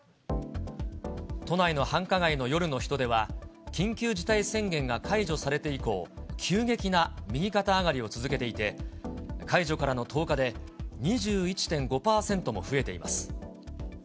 都内の繁華街の夜の人出は、緊急事態宣言が解除されて以降、急激な右肩上がりを続けていて、解除からの１０日で、２１．５％も増えています。